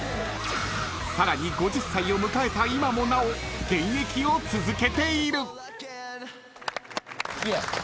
［さらに５０歳を迎えた今もなお現役を続けている］